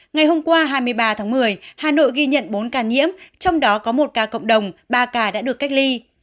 ngày hôm qua hai mươi ba tháng một mươi hà nội ghi nhận bốn ca nhiễm trong đó có một ca cộng đồng ba ca đã được cách ly